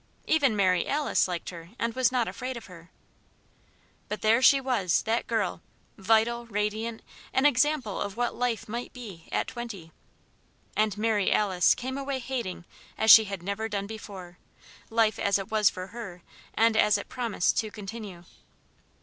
Even Mary Alice liked her, and was not afraid of her. But there she was that girl! vital, radiant, an example of what life might be, at twenty. And Mary Alice came away hating as she had never done before, life as it was for her and as it promised to continue.